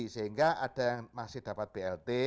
sehingga ada yang masih dapat blt